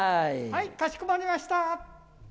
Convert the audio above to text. かしこまりました。